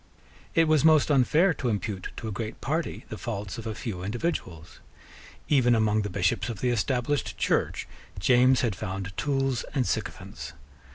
It was most unfair to impute to a great party the faults of a few individuals. Even among the Bishops of the Established Church James had found tools and sycophants.